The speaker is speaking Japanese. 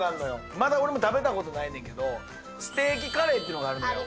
まだ俺も食べたことないねんけど、ステーキかれーっていうのがあるのよ。